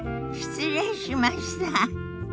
失礼しました。